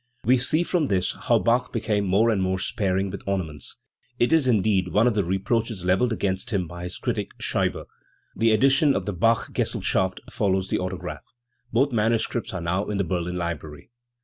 We see from this how Bach became more and more sparing with ornaments; it is, indeed, one of the reproaches levelled against him by his critic Scheibe. The edition of the Bachgesellschaft follows the autograph. Both manuscripts are now in the Berlin Library.